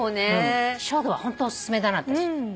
書道はホントお勧めだな私。